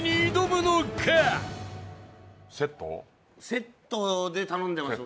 セットで頼んでます